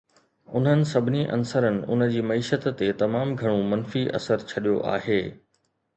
انهن سڀني عنصرن ان جي معيشت تي تمام گهڻو منفي اثر ڇڏيو آهي.